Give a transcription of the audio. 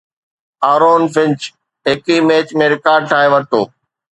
آرون فنچ هڪ ئي match ۾ record ٺاهي ورتو